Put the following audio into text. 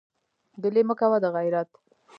ګلې مه کوه دغېرت.